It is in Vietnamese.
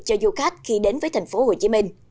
cho du khách khi đến với tp hcm